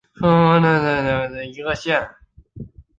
鹤峰县是中国湖北省恩施土家族苗族自治州所辖的一个县。